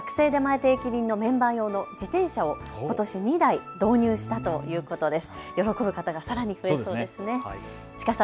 定期便のメンバー用の自転車をことし２台導入したということです。